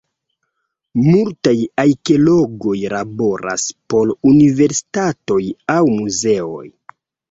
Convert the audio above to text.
Multaj arkeologoj laboras por universitatoj aŭ muzeoj.